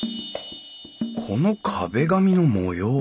この壁紙の模様